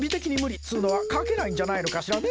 っつのは描けないんじゃないのかしらね